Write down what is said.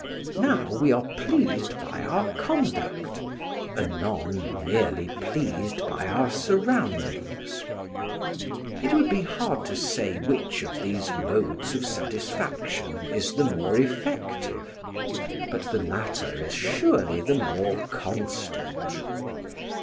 Now we are pleased by our conduct, anon merely pleased by our surroundings. It would be hard to say which of these modes of satisfaction is the more effective, but the latter is surely the more constant.